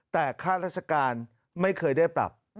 แต่ค่าราชการไม่เคยได้ปรับ